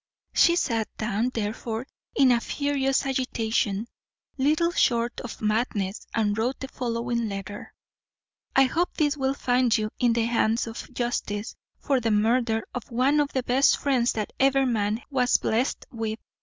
She sat down therefore in a furious agitation, little short of madness, and wrote the following letter: "I Hope this will find you in the hands of justice, for the murder of one of the best friends that ever man was blest with.